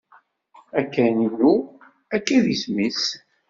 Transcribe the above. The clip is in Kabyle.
Akaynu, akka i disem-is.